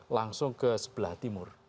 langsung ke sebelah timur